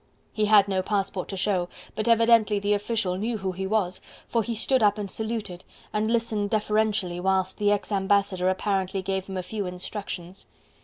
He had no passport to show, but evidently the official knew who he was, for he stood up and saluted, and listened deferentially whilst the ex ambassador apparently gave him a few instructions.